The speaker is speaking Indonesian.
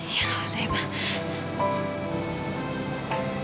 ya gak usah ya pak